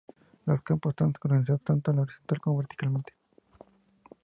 Los campos están organizados tanto horizontal como verticalmente.